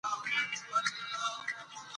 موږ باید د کورنۍ ټولو غړو نظریات په غور واورو